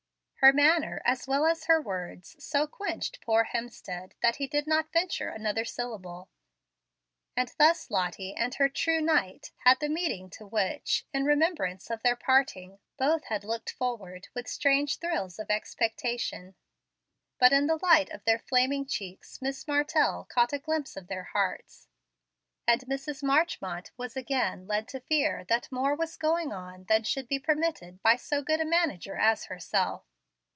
Her manner as well as her words so quenched poor Hemstead that he did not venture another syllable; and thus Lottie and her "true knight" had the meeting to which, in remembrance of their parting, both had looked forward with strange thrills of expectation. But in the light of their flaming cheeks Miss Martell caught a glimpse of their hearts; and Mrs. Marchmont was again led to fear that more was going on than should be permitted by so good a manager as herself.